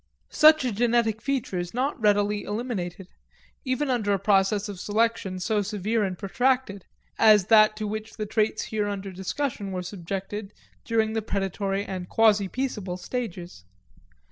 Such a generic feature is not readily eliminated, even under a process of selection so severe and protracted as that to which the traits here under discussion were subjected during the predatory and quasi peaceable stages.